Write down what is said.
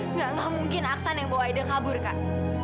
enggak enggak mungkin aksan yang bawa ide kabur kak